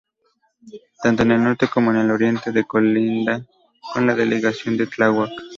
Tanto en el norte como el oriente se colinda con la Delegación Tláhuac.